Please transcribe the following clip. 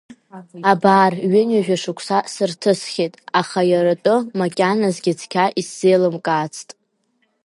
Абар, ҩынҩажәа шықәса сырҭысхьеит, аха иаратәы макьаназгьы цқьа исзеилымкаацт…